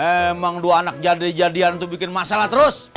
emang dua anak jade jadian bikin masalah terus